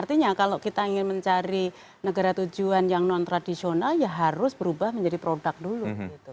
artinya kalau kita ingin mencari negara tujuan yang non tradisional ya harus berubah menjadi produk dulu